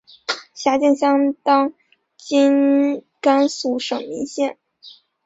辖境相当今甘肃省岷县。